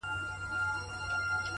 مهرباني د زړونو دروازې پرانیزي؛